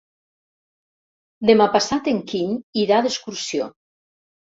Demà passat en Quim irà d'excursió.